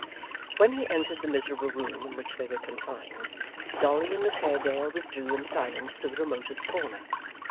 When he entered the miserable room in which they were confined, Dolly and Miss Haredale withdrew in silence to the remotest corner.